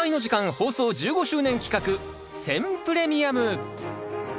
放送１５周年企画選プレミアム。